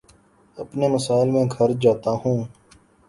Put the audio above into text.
اپنے مسائل میں گھر جاتا ہوں